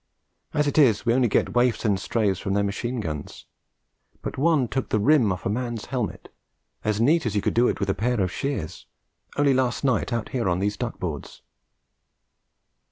As it is, we only get waifs and strays from their machine guns; but one took the rim off a man's helmet, as neat as you could do it with a pair of shears, only last night out here on these duck boards.'